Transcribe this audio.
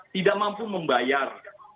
tidak mampu membayar